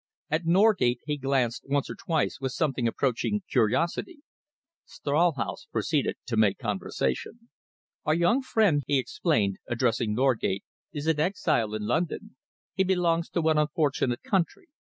At Norgate he glanced once or twice with something approaching curiosity. Stralhaus proceeded to make conversation. "Our young friend," he explained, addressing Norgate, "is an exile in London. He belongs to an unfortunate country.